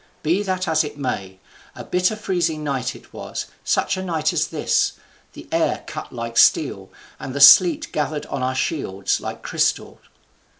Be that as it may, a bitter freezing night it was, such a night as this, the air cut like steel, and the sleet gathered on our shields like crystal.